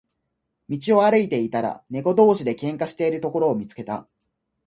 道を歩いていたら、猫同士で喧嘩をしているところを見つけた。